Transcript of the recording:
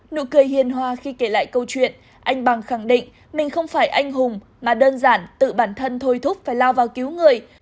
nụ cười hiền hòa khi kể lại câu chuyện anh bằng khẳng định mình không phải anh hùng mà đơn giản tự bản thân thôi thúc phải lao vào cứu người